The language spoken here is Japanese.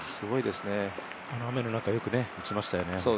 雨の中、よく打ちましたよね